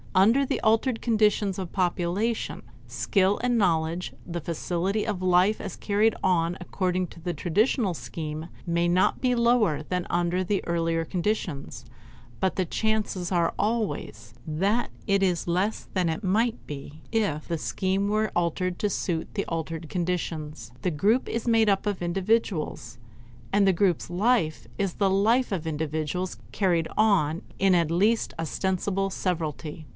Under the altered conditions of population, skill, and knowledge, the facility of life as carried on according to the traditional scheme may not be lower than under the earlier conditions; but the chances are always that it is less than might be if the scheme were altered to suit the altered conditions. The group is made up of individuals, and the group's life is the life of individuals carried on in at least ostensible severalty.